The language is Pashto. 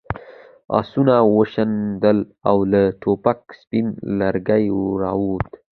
آسونه وشڼېدل او له ټوپکو سپین لوګی راووت.